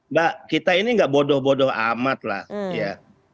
mbak kita ini nggak bodoh bodoh amat lah ya